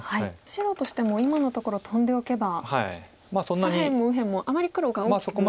白としても今のところトンでおけば左辺も右辺もあまり黒が大きく。